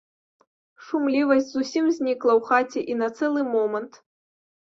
Шумлівасць зусім знікла ў хаце і на цэлы момант.